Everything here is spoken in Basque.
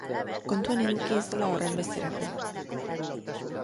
Kontuan eduki ez dela horrenbesterako.